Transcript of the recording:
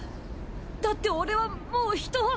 だって俺はもう人を。